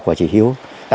của chị hiếu